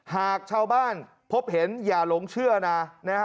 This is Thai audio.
หากชาวบ้านพบเห็นอย่าหลงเชื่อนะ